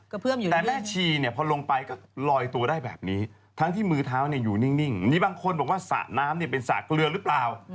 แต่แม่ชีเนี่ยพอลงไปก็ลอยตัวได้แบบนี้ทั้งที่มือเท้าเนี่ยอยู่นิ่งมีบางคนบอกว่าสระน้ำเนี่ยเป็นสระเกลือหรือเปล่า